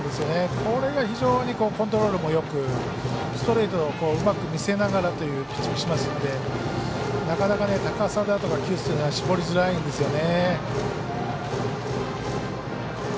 これが非常にコントロールもよくストレートをうまく見せながらというピッチングしてますんでなかなか高さだとか球質で絞りづらいんですよね。